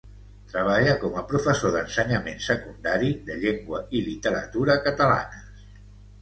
Treballa com a professor d'ensenyament secundari de llengua i literatura catalanes.